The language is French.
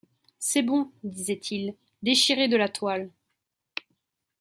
C’est bon, disait-il, déchirez de la toile.